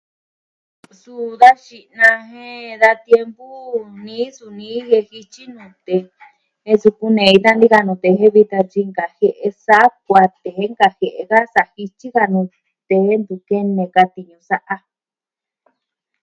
Suu da xi'na jen da tiempu nii suu nii jen jityi nute, je su kunei dani da nute jen vitan tyi nkajie'e saa kuatee jen nkajie'e ka san jityi ka nute jen ntu kene ka tiñu sa'a.